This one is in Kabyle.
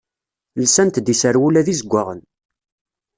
Lsant-d iserwula d izeggaɣen.